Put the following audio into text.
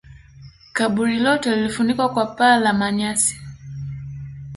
kaburi lote lilifunikwa kwa paa la manyasi